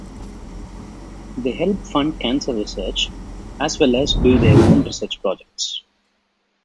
They help fund cancer research, as well as do their own research projects.